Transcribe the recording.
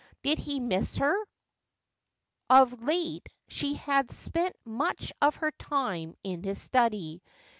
Lid he miss her ? Of late "she had spent much of her time in his study.